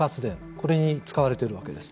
これに使われているわけです。